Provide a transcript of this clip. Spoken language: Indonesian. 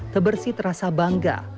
the bersih terasa bangga